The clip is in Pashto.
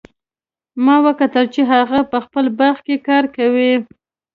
ما وکتل چې هغه په خپل باغ کې کار کوي